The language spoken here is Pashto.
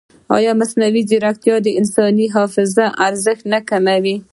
ایا مصنوعي ځیرکتیا د انساني حافظې ارزښت نه کموي؟